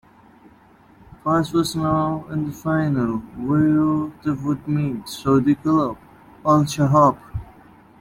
Pas was now in the final, where they would meet Saudi club, Al-Shabab.